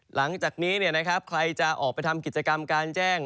หลังจากนี้เนี้ยนะครับใครจะออกไปทำกิจกรรมการแจ้ง